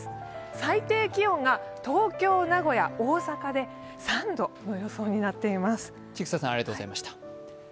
最低気温が東京、名古屋、大阪で３度の予想になっています。